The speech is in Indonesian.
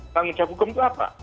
tanggung jawab hukum itu apa